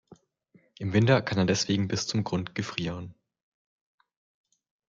Im Winter kann er deswegen bis zum Grund gefrieren.